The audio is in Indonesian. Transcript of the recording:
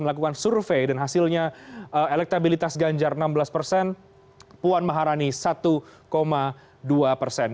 melakukan survei dan hasilnya elektabilitas ganjar enam belas persen puan maharani satu dua persen